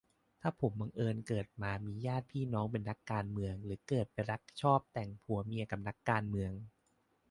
ถ้าผมบังเอิญเกิดมามีญาติพี่น้องเป็นนักการเมือง หรือเกิดไปรักชอบแต่งผัวเมียกับนักการเมือง